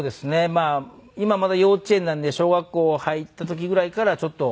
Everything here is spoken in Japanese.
まあ今まだ幼稚園なんで小学校入った時ぐらいからちょっと。